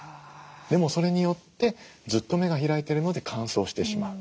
でもそれによってずっと目が開いてるので乾燥してしまう。